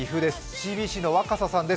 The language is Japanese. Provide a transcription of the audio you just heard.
ＣＢＣの若狭さんです。